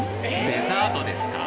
デザートですか？